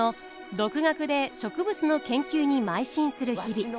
独学で植物の研究にまい進する日々。